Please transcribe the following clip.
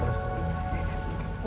udah selesai ngomong ya